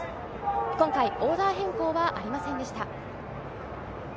今回オーダー変更はありませんでした。